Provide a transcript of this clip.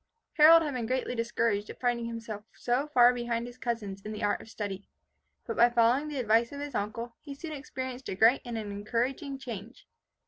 Harold had been greatly discouraged at finding himself so far behind his cousins in the art of study, but by following the advice of his uncle, he soon experienced a great and an encouraging change.